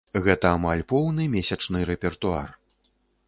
Гэта амаль поўны месячны рэпертуар.